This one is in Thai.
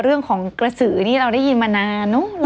เรื่องของกระสือนี่เราได้ยินมานานเนอะ